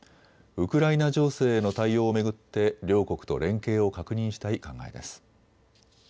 ウクライナ情勢への対応を巡って両国と連携を確認したい考えです。